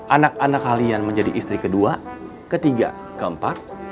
anak anak kalian menjadi istri kedua ketiga keempat